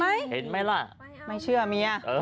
เห็นไหมล่ะไม่เชื่อเมีย